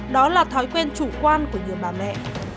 đó là thói quen chủ quan của nhiều bà mẹ